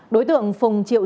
đối tượng phùng triệu